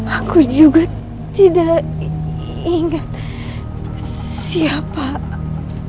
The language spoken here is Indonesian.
aku juga tidak ingat siapa